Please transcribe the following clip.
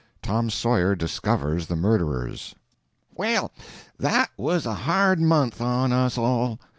TOM SAWYER DISCOVERS THE MURDERERS Well, that was a hard month on us all.